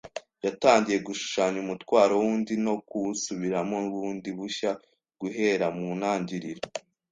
yatangiye gushushanya umutwaro wundi no kuwusubiramo bundi bushya guhera mu ntangiriro.